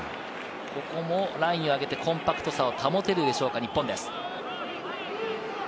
ここもラインを上げて、コンパクトさを保てるでしょうか、日本です。